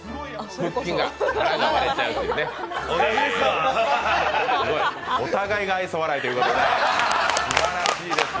腹筋がね、お互いが愛想笑いということで。